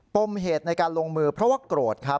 ปมเหตุในการลงมือเพราะว่าโกรธครับ